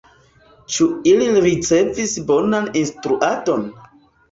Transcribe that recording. Ĉu ili ricevis bonan instruadon?